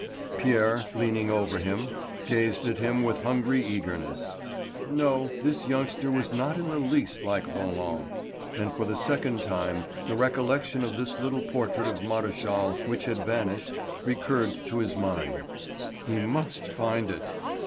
Pierre, leaning over him, gazed at him with hungry eagerness. No, this youngster was not in the least like Roland; and for the second time the recollection of the little portrait of Maréchal, which had vanished, recurred to his mind. He must find it!